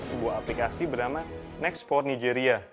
sebuah aplikasi bernama next for nigeria